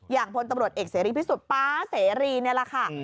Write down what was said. อย่างพลตำรวจเอกเซรียร์พิสุทธิ์ป๊าเซรีย์นี่แหละค่ะ